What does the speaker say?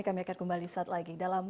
kami akan kembali saat lagi dalam